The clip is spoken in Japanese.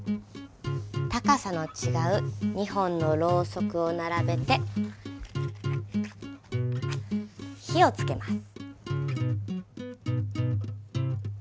高さの違う２本のロウソクを並べて火を付けます。